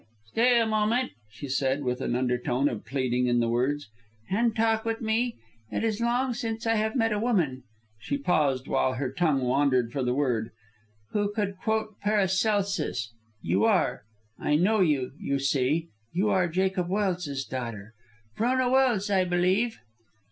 "Stay a moment," she said, with an undertone of pleading in the words, "and talk with me. It is long since I have met a woman" she paused while her tongue wandered for the word "who could quote 'Paracelsus.' You are, I know you, you see, you are Jacob Welse's daughter, Frona Welse, I believe."